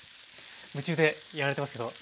夢中でやられてますけど。